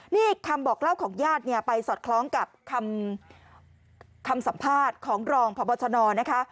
นี่คำบอกเล่าของญาติเนี่ยไปสอดคล้องกับคำสัมภาษณ์ของรองพบชนนะคะ